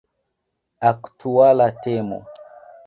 Aktuala temo!